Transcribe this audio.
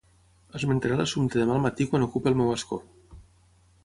Esmentaré l'assumpte demà al matí quan ocupi el meu escó.